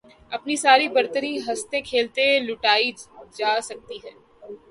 اپنی ساری برتری ہنستے کھیلتے لُٹائی جا سکتی ہے